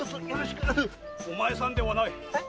お前さんではない。